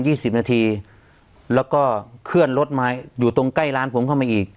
สิบนาทีแล้วก็เคลื่อนรถมาอยู่ตรงใกล้ร้านผมเข้ามาอีก